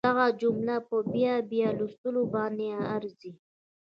دغه جمله په بیا بیا لوستلو باندې ارزي